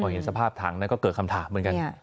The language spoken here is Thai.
พอเห็นสภาพถังนั้นก็เกิดคำถามเหมือนกัน